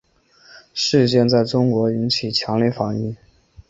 事件在中国引起强烈反响。